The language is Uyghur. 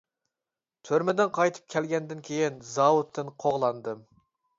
تۈرمىدىن قايتىپ كەلگەندىن كېيىن زاۋۇتتىن قوغلاندىم.